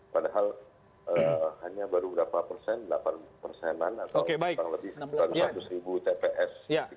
padahal hanya baru berapa persen delapan persenan atau lebih dari seratus tps